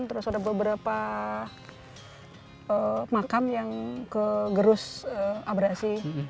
terus ada beberapa makam yang ke gerus abrasi